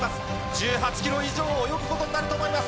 １８キロ以上を泳ぐことになると思います。